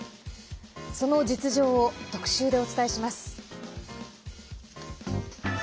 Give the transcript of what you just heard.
その実情を特集でお伝えします。